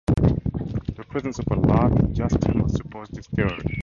The presence of a large diastema supports this theory.